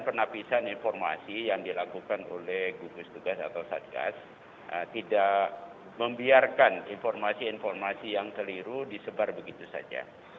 penapisan informasi yang dilakukan oleh gugus tugas atau satgas tidak membiarkan informasi informasi yang keliru disebar begitu saja